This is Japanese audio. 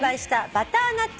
バターナッツ。